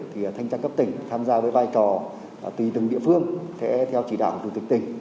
thì thanh tra cấp tỉnh tham gia với vai trò tùy từng địa phương theo chỉ đạo của chủ tịch tỉnh